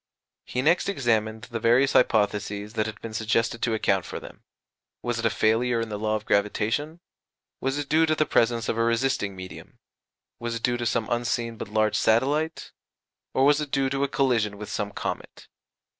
He next examined the various hypotheses that had been suggested to account for them: Was it a failure in the law of gravitation? Was it due to the presence of a resisting medium? Was it due to some unseen but large satellite? Or was it due to a collision with some comet?